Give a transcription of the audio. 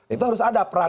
itu harus ada peran